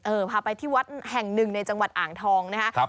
พาไปที่วัดแห่งหนึ่งในจังหวัดอ่างทองนะครับ